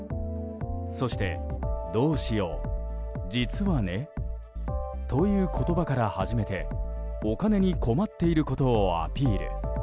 そして、「どうしよう」「実はね」という言葉から始めてお金に困っていることをアピール。